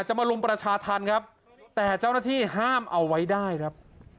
มารุมประชาธรรมครับแต่เจ้าหน้าที่ห้ามเอาไว้ได้ครับ